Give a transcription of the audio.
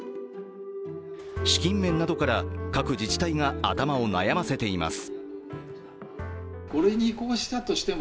資金面などから各自治体が頭を悩ませています。